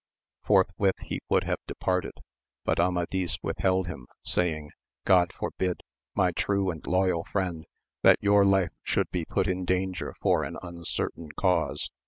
Forthwith he would have de parted but Amadis withheld him, saying, God forbid, my true and loyal friend, that your life should be put in danger for an uncertain cause.